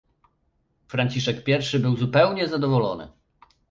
"Franciszek I-szy był zupełnie zadowolony."